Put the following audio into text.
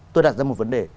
tôi đặt ra một vấn đề